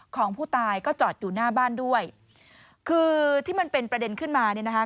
ของผู้ตายก็จอดอยู่หน้าบ้านด้วยคือที่มันเป็นประเด็นขึ้นมาเนี่ยนะคะ